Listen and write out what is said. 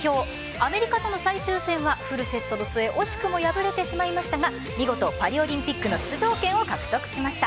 アメリカとの最終戦はフルセットの末惜しくも敗れてしまいましたが見事、パリオリンピックの出場権を獲得しました。